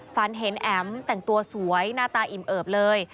ฝันเห็นแอ๋มแต่งตัวสวยหน้าตาอิ่มเอิบเลย